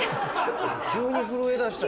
急に震えだした。